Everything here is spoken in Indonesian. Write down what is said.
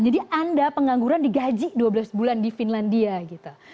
jadi anda pengangguran digaji dua belas bulan di finlandia gitu